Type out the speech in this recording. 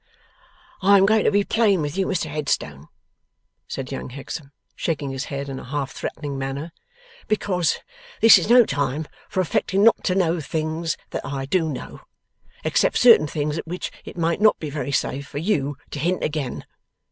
'I am going to be plain with you, Mr Headstone,' said young Hexam, shaking his head in a half threatening manner, 'because this is no time for affecting not to know things that I do know except certain things at which it might not be very safe for you, to hint again.